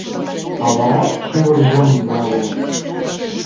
А вара шӱвыржым нале.